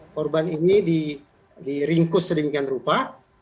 korban ini diringkus sedemikian rupa